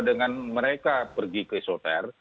dengan mereka pergi ke isoter